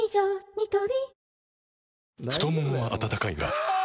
ニトリ太ももは温かいがあ！